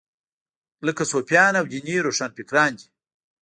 لکه صوفیان او دیني روښانفکران دي.